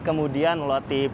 kemudian melalui proses reaktifasi